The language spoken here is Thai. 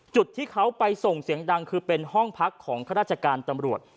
จุดที่เขาไปส่งเสียงดังคือเป็นห้องพักของข้าราชการตำรวจ